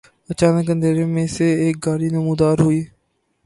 اچانک اندھیرے میں سے ایک گاڑی نمودار ہوئی